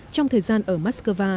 trong thời gian ở moscow